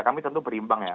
kami tentu berimbang ya